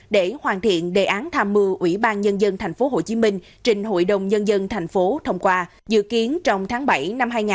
để hoàn thiện đề án tham mưu ủy ban nhân dân tp hcm trình hội đồng nhân dân tp hcm thông qua dự kiến trong tháng bảy năm hai nghìn hai mươi